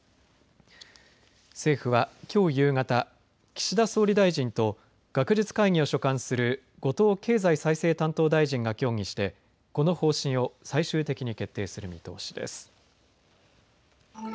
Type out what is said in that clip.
政府はきょう夕方、岸田総理大臣と学術会議を所管する後藤経済再生担当大臣が協議して、この方針を最終的に決定する見通しです。